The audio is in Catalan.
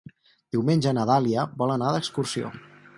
Diumenge na Dàlia vol anar d'excursió.